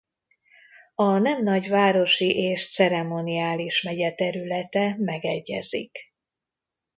A nem-nagyvárosi és ceremoniális megye területe megegyezik.